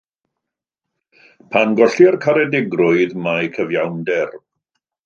Pan gollir caredigrwydd, mae cyfiawnder.